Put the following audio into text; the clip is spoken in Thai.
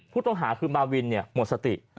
ผู้ต้องหาคือมาวินหมดสติ